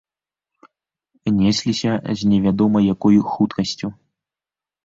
Несліся з невядома якой хуткасцю.